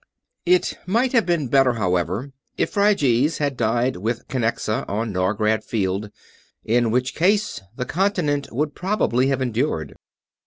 It might have been better, however, if Phryges had died with Kinnexa on Norgrad Field; in which case the continent would probably have endured.